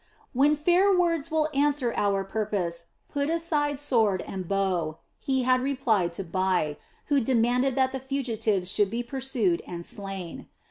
"When fair words will answer our purpose, put aside sword and bow," he had replied to Bai, who demanded that the fugitives should be pursued and slain.